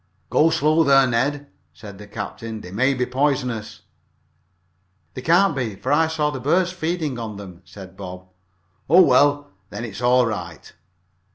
"Go slow there, Ned," said the captain. "They may be poisonous." "They can't be for I saw the birds feeding on, them," said Bob. "Oh, well, then it is all right."